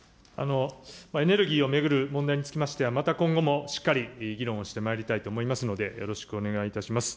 エネルギーを巡る問題につきましては、また今後もしっかり議論をしてまいりたいと思いますので、よろしくお願いいたします。